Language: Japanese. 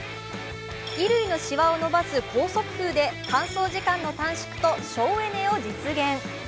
衣類のしわを伸ばす高速風で乾燥時間の短縮と省エネを実現。